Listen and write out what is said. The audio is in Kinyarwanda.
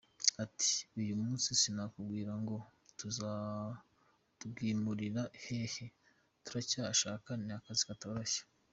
Ati “Uyu munsi sinakubwira ngo tuzarwimurira hehe, turacyahashaka, ni akazi katoroshye.